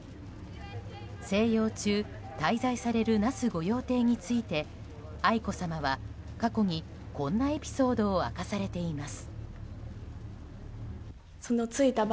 静養中滞在される那須御用邸について愛子さまは過去に、こんなエピソードを明かされています。